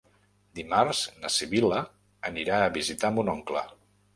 Dimarts na Sibil·la anirà a visitar mon oncle.